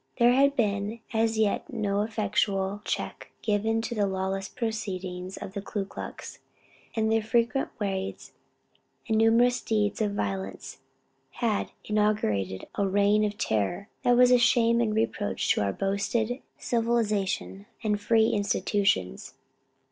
There had been as yet no effectual check given to the lawless proceedings of the Ku Klux, and their frequent raids and numerous deeds of violence had inaugurated a reign of terror that was a shame and reproach to our boasted civilization and free institutions.